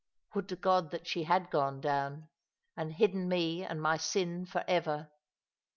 Would to God that she had gone down, and hidden me and my sin for ever !